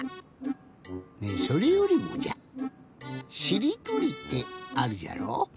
ねえそれよりもじゃしりとりってあるじゃろ？